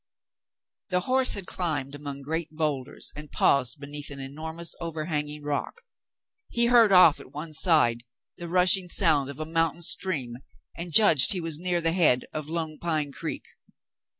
The horse had climbed among great boulders and paused beneath an enormous overhanging rock. He heard, off at one side, the rushing sound of a mountain stream and judged he was near the head of Lone Pine Creek.